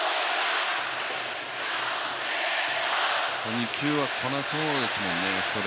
２球は来なそうですもんね。